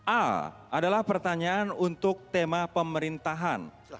a adalah pertanyaan untuk tema pemerintahan